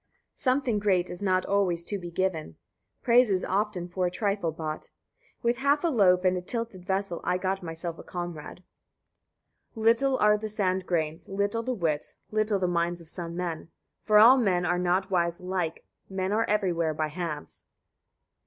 Something great is not [always] to be given, praise is often for a trifle bought. With half a loaf and a tilted vessel I got myself a comrade. 53. Little are the sand grains, little the wits, little the minds of [some] men; for all men are not wise alike: men are everywhere by halves. 54.